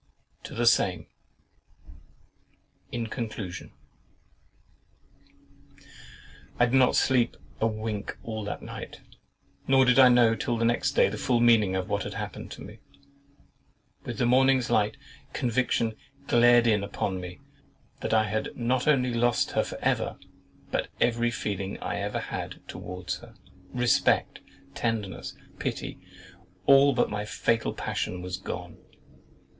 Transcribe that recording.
TO THE SAME (In conclusion) I did not sleep a wink all that night; nor did I know till the next day the full meaning of what had happened to me. With the morning's light, conviction glared in upon me that I had not only lost her for ever—but every feeling I had ever had towards her—respect, tenderness, pity—all but my fatal passion, was gone.